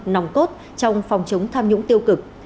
nòng cốt trong phòng chống tham nhũng tiêu cực